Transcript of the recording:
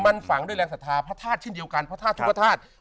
มันฝังด้วยแรงศรัทธาพระธาตุเช่นเดียวกันพระธาตุทุกพระธาตุ